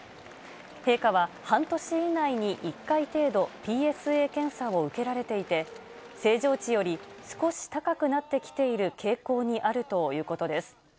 陛下は、半年以内に１回程度、ＰＳＡ検査を受けられていて、正常値より少し高くなってきている傾向にあるということです。